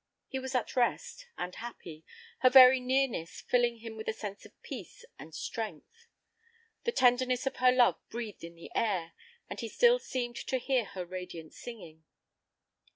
He was at rest, and happy, her very nearness filling him with a sense of peace and strength. The tenderness of her love breathed in the air, and he still seemed to hear her radiant singing.